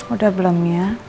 udah belum ya